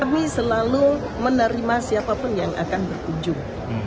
kami selalu menerima siapapun yang akan berkunjung